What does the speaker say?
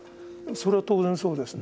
それは当然そうですね。